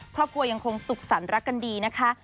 ครอบครัวยังคงสุขสรรครักกันดีนะคะ